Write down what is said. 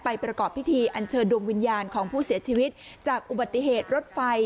ประกอบพิธีอันเชิญดวงวิญญาณของผู้เสียชีวิตจากอุบัติเหตุรถไฟ